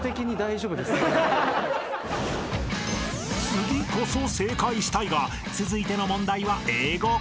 ［次こそ正解したいが続いての問題は英語から］